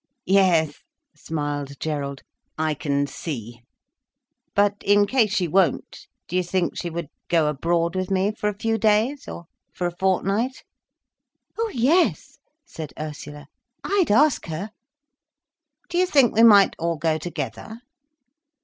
"Yes," smiled Gerald. "I can see. But in case she won't—do you think she would go abroad with me for a few days—or for a fortnight?" "Oh yes," said Ursula. "I'd ask her." "Do you think we might all go together?"